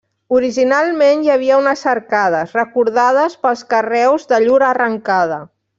Originalment hi havia unes arcades, recordades pels carreus de llur arrencada.